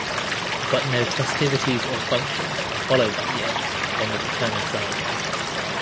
But no festivities or functions are followed that year on the paternal side.